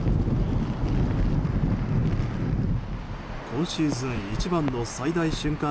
今シーズン一番の最大瞬間